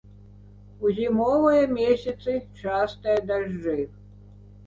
У зімовыя месяцы частыя дажджы.